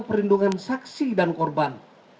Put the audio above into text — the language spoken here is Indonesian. perlindungan saksi dan korban